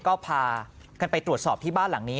ก็พากันไปตรวจสอบที่บ้านหลังนี้